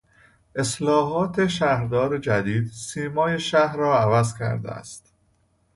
اصلاحات شهردار جدید سیمای شهر را عوض کرده است.